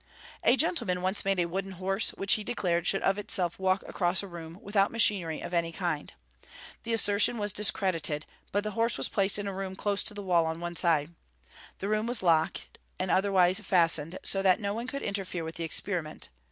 A gentleman once made a wooden horse, which he declared should of itself walk across a room, without machinery of any kind. The assertion was discredited; but the horse was placed in a room close to the wall on one side. The room was locked, and otherwise fastened, so that no one could interfere with the experiment.